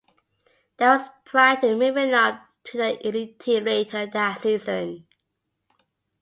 That was prior to moving up to the Elite team later that season.